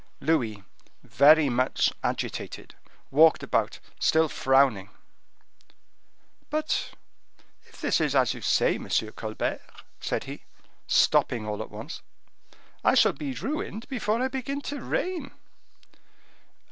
Louis, very much agitated, walked about, still frowning. "But, if this is as you say, Monsieur Colbert," said he, stopping all at once, "I shall be ruined before I begin to reign."